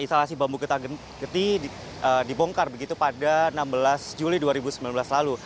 instalasi bambu getah getih dibongkar begitu pada enam belas juli dua ribu sembilan belas lalu